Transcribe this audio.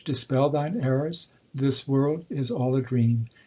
Dispel thine errors ; This world is all a dream.